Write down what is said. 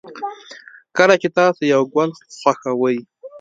کله چې تاسو یو گل خوښوئ